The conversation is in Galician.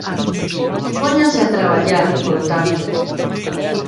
Póñanse a traballar, polo tanto.